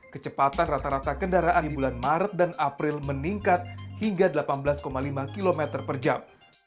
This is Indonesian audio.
kecepatan rata rata kendaraan di bulan maret dan april meningkat hingga delapan belas lima km per jam